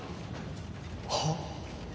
はっ？